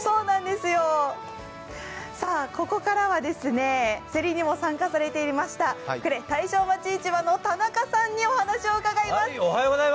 ここからは競りにも参加されていました、久礼大正町市場の田中さんにお話を伺います。